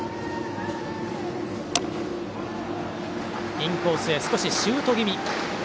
インコースへ少しシュート気味。